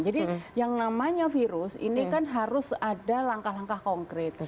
jadi yang namanya virus ini kan harus ada langkah langkah konkret